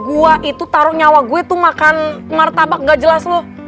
gue itu taruh nyawa gue itu makan martabak gak jelas lo